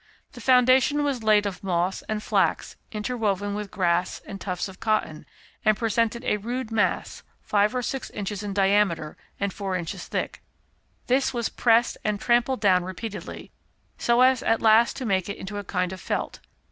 The foundation was laid of moss and flax interwoven with grass and tufts of cotton, and presented a rude mass, five or six inches in diameter, and four inches thick. This was pressed and trampled down repeatedly, so as at last to make it into a kind of felt.